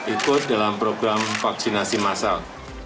ikut dalam program vaksinasi masal